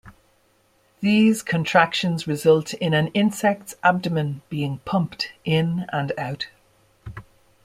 These contractions result in an insect's abdomen being pumped in and out.